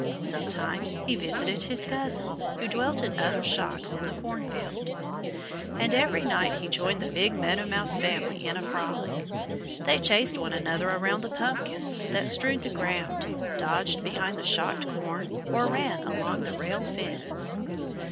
Sometimes he visited his cousins, who dwelt in other shocks in the cornfield. And every night he joined the big Meadow Mouse family in a frolic. They chased one another around the pumpkins that strewed the ground, dodged behind the shocked corn, or ran along the rail fence.